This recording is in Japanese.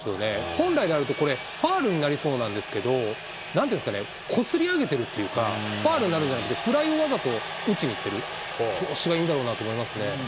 本来であると、これ、ファウルになりそうなんですけど、なんていうんですかね、こすり上げてるっていうか、ファウルになるんじゃなくて、フライをわざと打ちにいってる、調子がいいんだろうと思いますね。